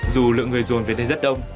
dù lượng người dồn về đây rất đông